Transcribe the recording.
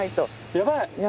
やばい。